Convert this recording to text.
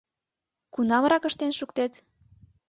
— Кунамрак ыштен шуктет?